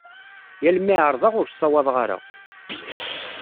Yal mi ɛerḍeɣ ur ssawaḍeɣ ara.